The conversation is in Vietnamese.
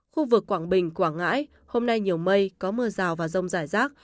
khu vực quảng bình quảng ngãi hôm nay nhiều mây có mưa rào và rông rải rác